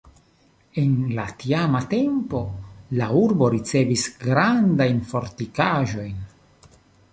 En la tiama tempo la urbo ricevis grandajn fortikaĵojn.